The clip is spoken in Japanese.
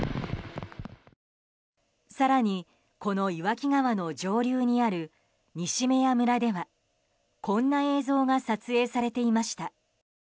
更に、この岩木川の上流にある西目屋村では、こんな映像が撮影されていました。